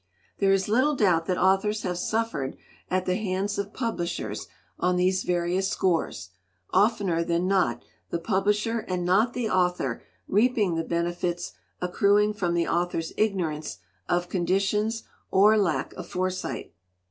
"There is little doubt that authors have suf fered at the hands of publishers on these various scores, oftener than not the publisher and not the author reaping the benefits accruing from the author's ignorance of conditions or lack of foresight.